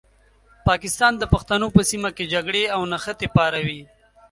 پاکستان د پښتنو په سیمه کې جګړې او نښتې پاروي.